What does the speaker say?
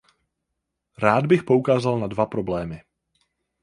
Rád bych poukázal na dva problémy.